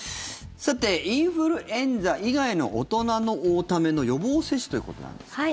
さてインフルエンザ以外の大人のための予防接種ということですけども。